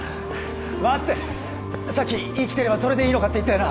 待ってさっき生きてればそれでいいのかって言ったよな